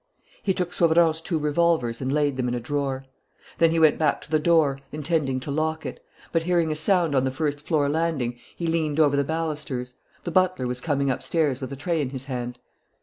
He took Sauverand's two revolvers and laid them in a drawer. Then he went back to the door, intending to lock it. But hearing a sound on the first floor landing, he leant over the balusters. The butler was coming upstairs with a tray in his hand.